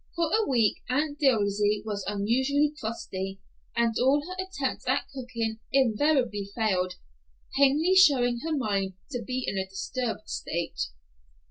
For a week Aunt Dilsey was unusually crusty, and all her attempts at cookery invariably failed, plainly showing her mind to be in a disturbed state.